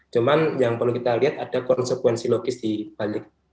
cuma yang perlu kita lihat ada konsekuensi logis dibalik